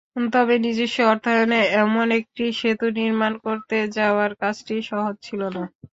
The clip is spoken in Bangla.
তবে নিজস্ব অর্থায়নে এমন একটি সেতু নির্মাণ করতে যাওয়ার কাজটি সহজ ছিল না।